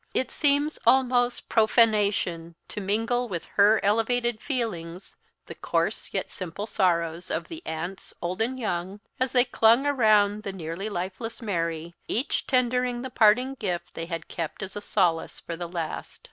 It seems almost profanation to mingle with her elevated feelings the coarse yet simple sorrows of the aunts, old and young, as they clung around the nearly lifeless Mary, each tendering the parting gift they had kept as a solace for the last.